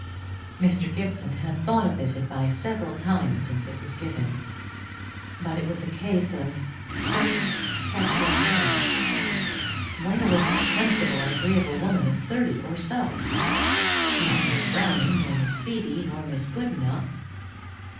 Mr. Gibson had thought of this advice several times since it was given; but it was a case of "first catch your hare." Where was the "sensible and agreeable woman of thirty or so?" Not Miss Browning, nor Miss Phoebe, nor Miss Goodenough.